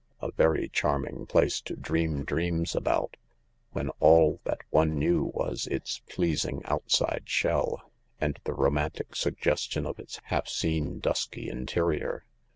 A very charming place to dream dreams about, when all that one knew was its pleasing outside shell, and the romantic suggestion of its half seen dusky interior.